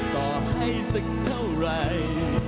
ต่อให้สักเท่าไหร่